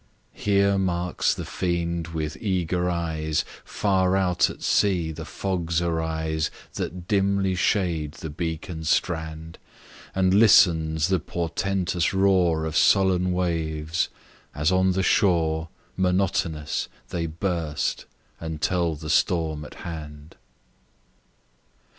Here marks the fiend with eager eyes, Far out at sea the fogs arise That dimly shade the beacon'd strand, And listens the portentous roar Of sullen waves, as on the shore, Monotonous, they burst and tell the storm at hand.